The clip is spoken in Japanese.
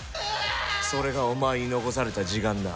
それがお前に残された時間だ。